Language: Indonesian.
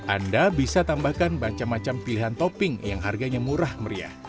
anda bisa tambahkan macam macam pilihan topping yang harganya murah meriah